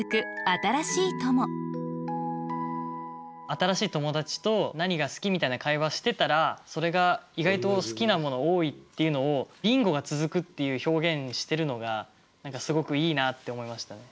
新しい友達と「何が好き？」みたいな会話してたらそれが意外と好きなものが多いっていうのを「ビンゴが続く」っていう表現してるのがすごくいいなって思いましたね。